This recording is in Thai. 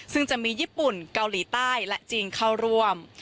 ซึ่งจะมีญี่ปุ่นเกาหลีใต้และจีนเข้าร่วม